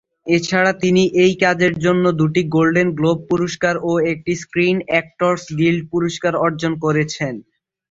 এছাড়া তিনি এই কাজের জন্য দুটি গোল্ডেন গ্লোব পুরস্কার ও একটি স্ক্রিন অ্যাক্টরস গিল্ড পুরস্কার অর্জন করেছেন।